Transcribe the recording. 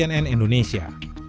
terus kita namanya demokrasi ya